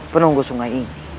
penunggu sungai ini